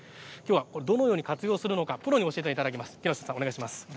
どのように活用するのかプロに教えていただきます。